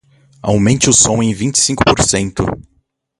Aumente o som em vinte e cinco porcento.